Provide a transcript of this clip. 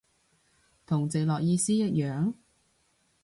同直落意思一樣？